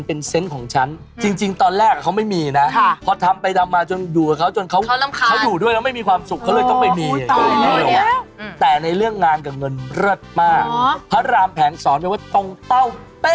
พระรามแผงสอนว่าตรงเป้าเป๊ะ